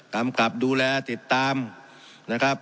กำกับดูแลติดตามนะครับ